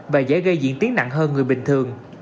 và dễ gây diễn tiến nặng hơn người bình thường